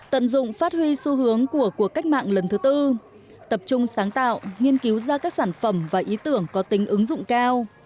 tận dụng phát huy xu hướng của cuộc cách mạng lần thứ tư tập trung sáng tạo nghiên cứu ra các sản phẩm và ý tưởng có tính ứng dụng cao